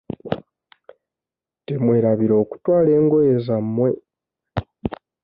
Temwerabira okutwala engoye za mmwe.